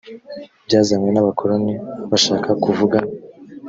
byazanywe n abakoloni bashaka kuvuga